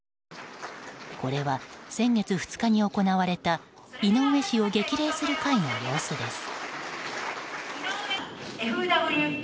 これは、先月２日に行われた井上氏を激励する会の様子です。